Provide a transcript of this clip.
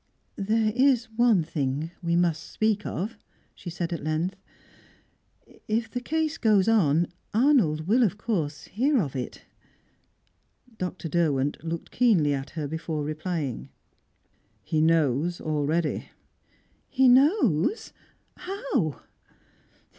"There is one thing we must speak of," she said at length "If the case goes on, Arnold will of course hear of it." Dr. Derwent looked keenly at her before replying. "He knows already." "He knows? How?"